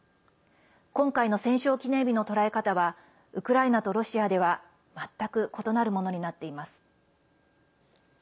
今回の戦勝記念日の捉え方はウクライナとロシアでは全く異なるものになっています。